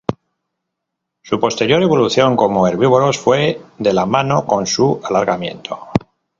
Su posterior evolución como herbívoros fue de la mano con su alargamiento.